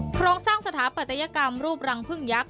โครงสร้างสถาปัตยกรรมรูปรังพึ่งยักษ